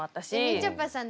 みちょぱさん